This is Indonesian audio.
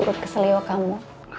untuk urut ke selewa kamu